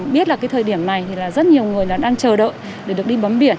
biết là cái thời điểm này thì là rất nhiều người đang chờ đợi để được đi bám biển